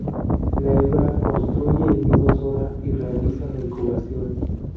La hembra construye el nido sola y realiza la incubación.